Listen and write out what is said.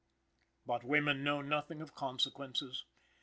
But women know nothing of consequences.